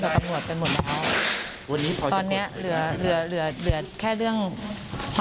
คือให้ข้อมูลกับตำรวจเป็นหมดแล้ว